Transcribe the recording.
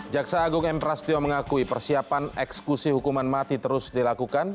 jaksa agung m prasetyo mengakui persiapan eksekusi hukuman mati terus dilakukan